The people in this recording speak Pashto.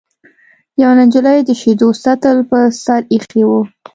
یوې نجلۍ د شیدو سطل په سر ایښی و.